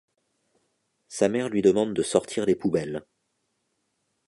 Sa mère lui demande de sortir les poubelles.